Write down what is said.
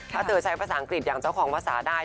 ถ้าเธอใช้ภาษาอังกฤษอย่างเจ้าของภาษาได้